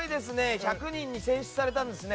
１００人に選出されたんですね。